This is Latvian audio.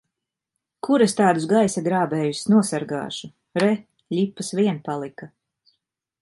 Kur es tādus gaisa grābējus nosargāšu! Re, ļipas vien palika!